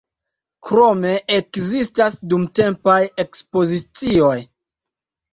Krome ekzistas dumtempaj ekspozicioj.